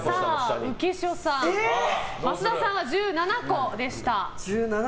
浮所さん増田さんは１７個でした。